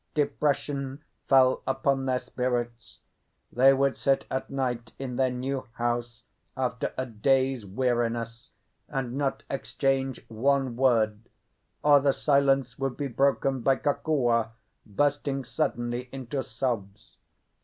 Depression fell upon their spirits. They would sit at night in their new house, after a day's weariness, and not exchange one word, or the silence would be broken by Kokua bursting suddenly into sobs.